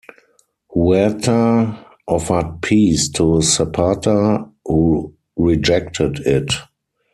Huerta offered peace to Zapata, who rejected it.